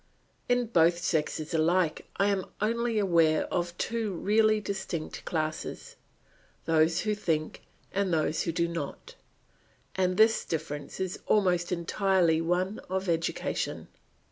In both sexes alike I am only aware of two really distinct classes, those who think and those who do not; and this difference is almost entirely one of education.